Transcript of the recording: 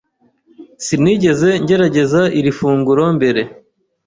Sinigeze ngerageza iri funguro mbere.